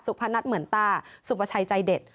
สุพนัทเหมือนตาสุพชัยใจเด็ด